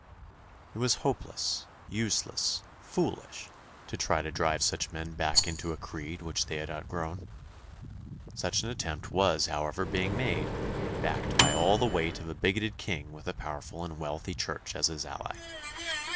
It was hopeless, useless, foolish, to try to drive such men back into a creed which they had outgrown. Such an attempt was, however, being made, backed by all the weight of a bigoted king with a powerful and wealthy Church as his ally.